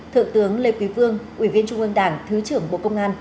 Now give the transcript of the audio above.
thượng tướng lê quý vương ủy viên trung ương đảng thứ trưởng bộ công an